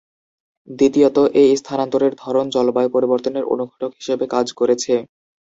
দ্বিতীয়ত, এই স্থানান্তরের ধরন জলবায়ু পরিবর্তনের অনুঘটক হিসেবে কাজ করেছে।